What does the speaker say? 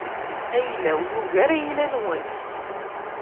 Ayla-w yugar ayla-nwen.